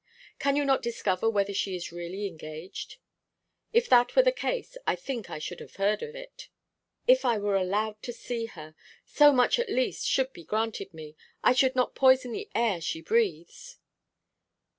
'Can you not discover whether she is really engaged?' 'If that were the case, I think I should have heard of it.' 'If I were allowed to see her! So much at least should be granted me. I should not poison the air she breathes.